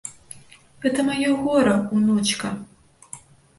Гэта маё гора, унучка.